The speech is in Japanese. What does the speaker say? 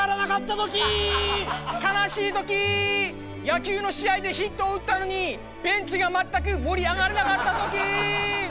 野球の試合でヒットを打ったのにベンチが全く盛り上がらなかったときー！